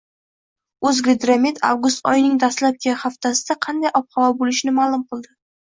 “O‘zgidromet” avgust oyining dastlabki haftasida qanday ob-havo bo‘lishini ma’lum qildi